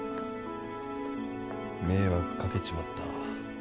迷惑かけちまった。